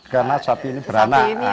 karena sapi ini beranak